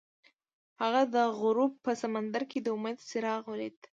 هغه د غروب په سمندر کې د امید څراغ ولید.